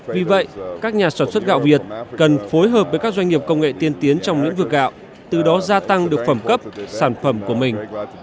vì vậy các nhà sản xuất gạo việt cần phối hợp với các doanh nghiệp công nghệ tiên tiến trong lĩnh vực gạo từ đó gia tăng được phẩm cấp sản phẩm của mình